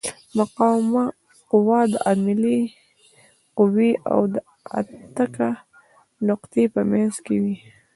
مقاومه قوه د عاملې قوې او د اتکا نقطې په منځ کې وي.